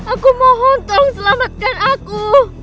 aku mohon tolong selamatkan aku